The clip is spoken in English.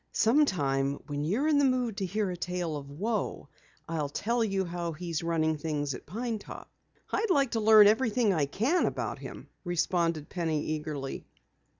Sometime when you're in the mood to hear a tale of woe, I'll tell you how he is running things at Pine Top." "I'd like to learn everything I can about him," responded Penny eagerly.